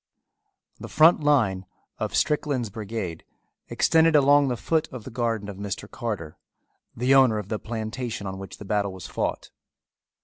The front line of Strickland's brigade extended along the foot of the garden of Mr. Carter, the owner of the plantation on which the battle was fought.